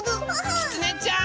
きつねちゃん！